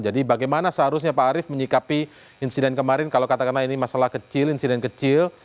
bagaimana seharusnya pak arief menyikapi insiden kemarin kalau katakanlah ini masalah kecil insiden kecil